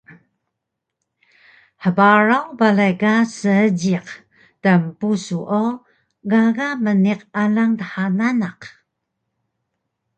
Hbaraw balay ka seejiq tnpusu o gaga mniq alang dha nanaq